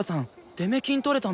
出目金取れたんだ？